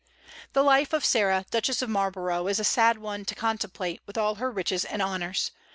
The life of Sarah, Duchess of Marlborough, is a sad one to contemplate, with all her riches and honors.